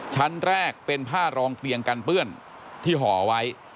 ชั้นแรกเป็นผ้ารองเตียงกันเปื้อนที่ห่อไว้